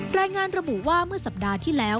รายงานระบุว่าเมื่อสัปดาห์ที่แล้ว